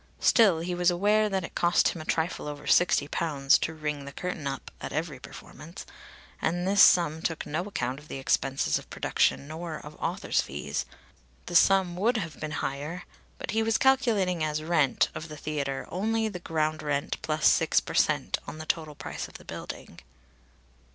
Still, he was aware that it cost him a trifle over sixty pounds "to ring the curtain up" at every performance, and this sum took no account of expenses of production nor of author's fees. The sum would have been higher, but he was calculating as rent of the theatre only the ground rent plus six per cent. on the total price of the building.